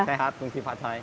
sehat kongsi pacai